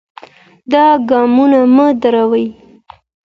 دا ګامونه مه دروئ.